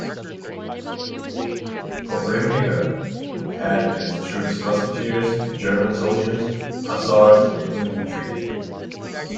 Koprivnica had in its troops musketeers, German soldiers, hussars and infantry.